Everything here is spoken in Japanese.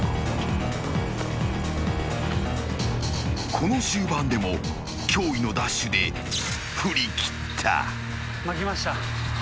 ［この終盤でも驚異のダッシュで振り切った］